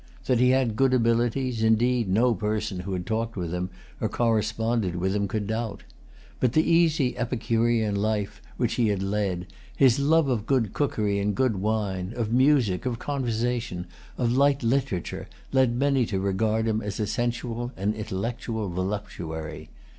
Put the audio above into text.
That he had good abilities, indeed, no person who had talked with him, or corresponded with him, could doubt. But the easy Epicurean life which he had led, his love of good cookery and good wine, of music, of conversation, of light literature, led many to regard him as a sensual and intellectual voluptuary.